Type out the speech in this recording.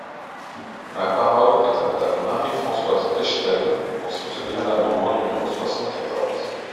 La parole est à Madame Marie-Françoise Bechtel, pour soutenir l’amendement numéro soixante-quatorze.